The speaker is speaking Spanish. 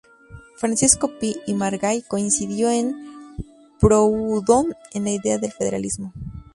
Francisco Pi y Margall coincidió en Proudhon en la idea del federalismo.